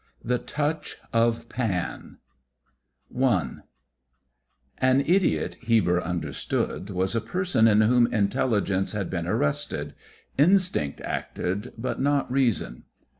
II THE TOUCH OF PAN 1 An idiot, Heber understood, was a person in whom intelligence had been arrested instinct acted, but not reason.